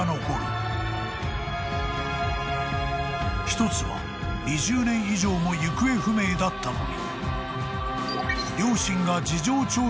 ［１つは２０年以上も行方不明だったのに］